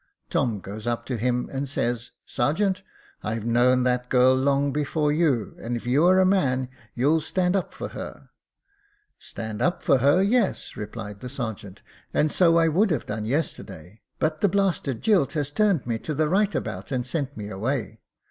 Tom goes up to him, and says, * Sergeant, I've known that girl long before you, and if you are a man, you'll stand up for her.' ' Stand up for her ; yes,' replied the sergeant, * and so I would have done yesterday, but the blasted jilt has turned me to the right about and sent me away.